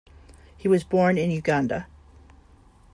He was born in Uganda.